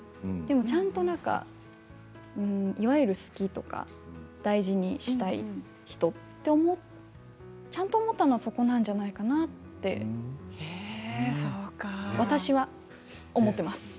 ちゃんといわゆる好きとか大事にしたい人とかちゃんと思ったのはそこなんじゃないかなと私は思っています。